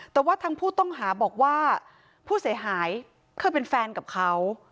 แต่ว่าทางผู้ต้องหาบอกว่าผู้เสียหายเคยเป็นแฟนกับเขา